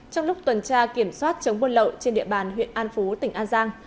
trong lúc tuần tra kiểm soát chống buôn lậu trên địa bàn huyện an phú tỉnh an giang